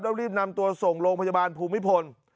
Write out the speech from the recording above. แล้วรีบนำตัวส่งโรงพยาบาลภูมิพล